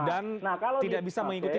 dan tidak bisa mengikuti